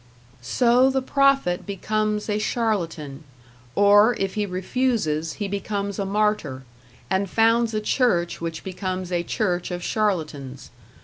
So the prophet becomes a charlatan; or, if he refuses, he becomes a martyr, and founds a church which becomes a church of charlatans.